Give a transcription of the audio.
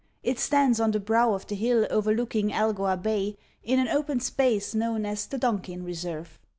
It stands on the brow of the hill overlooking Algoa Bay, in an open space known as the "Donkin Reserve."